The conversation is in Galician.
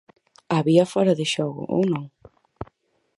Había fóra de xogo, ou non?